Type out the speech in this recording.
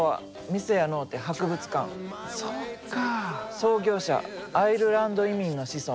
創業者アイルランド移民の子孫